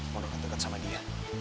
mau deket deket sama dia